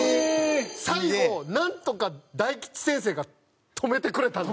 最後なんとか大吉先生が止めてくれたんですけど。